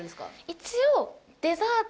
一応。